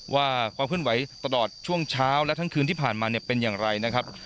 ว่าความเคลื่อนไหวตลอดช่วงเช้าและทั้งคืนที่ผ่านมาเนี่ยเป็นอย่างไรนะครับ